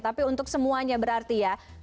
tapi untuk semuanya berarti ya